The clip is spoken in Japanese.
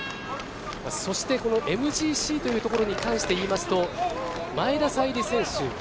そしてこのＭＧＣというところに関していいますと前田彩里選手